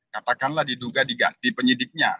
katakanlah diduga di penyidiknya